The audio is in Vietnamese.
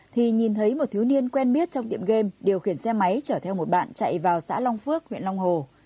thì nhìn thấy một thiếu niên quen biết trong tiệm game điều khiển xe máy chở theo một bạn chạy vào xã long phước huyện long hồ